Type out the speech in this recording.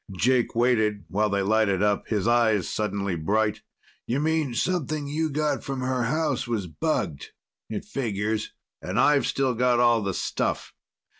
Jake waited while they lighted up, his eyes suddenly bright. "You mean something you got from her house was bugged? It figures." "And I've still got all the stuff.